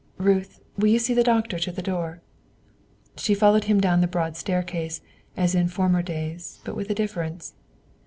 "Ruth, will you see the doctor to the door?" She followed him down the broad staircase, as in former days, but with a difference.